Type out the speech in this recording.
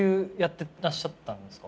てらっしゃったんですか？